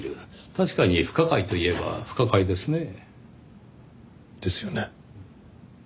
確かに不可解と言えば不可解ですねぇ。ですよね？